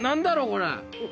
これ。